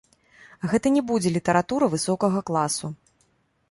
Гэта не будзе літаратура высокага класу.